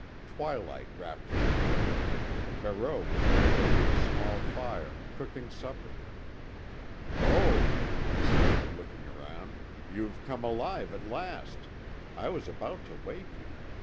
Twilight wrapped the butte. Barreau was bent over a small fire, cooking supper. "Oh," he said, looking around, "you've come alive, at last. I was about to wake you.